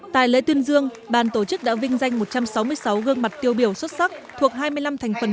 tại lễ tuyên dương bàn tổ chức đã vinh danh một trăm sáu mươi sáu gương mặt tiêu biểu xuất sắc thuộc hai mươi năm thành phần